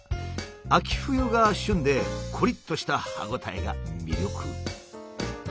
秋冬が旬でコリッとした歯応えが魅力。